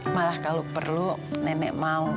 malah kalau perlu nenek mau